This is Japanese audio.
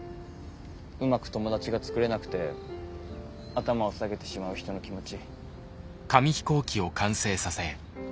うまく友達が作れなくて頭を下げてしまう人の気持ち。